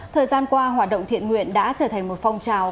thời gian qua hoạt động thiện nguyện đã trở thành một phong trào